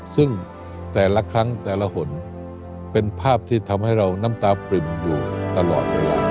ซึ่งแต่ละครั้งแต่ละหนเป็นภาพที่ทำให้เราน้ำตาปริ่มอยู่ตลอดเวลา